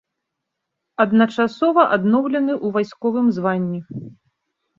Адначасова адноўлены ў вайсковым званні.